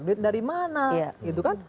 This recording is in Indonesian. duit dari mana gitu kan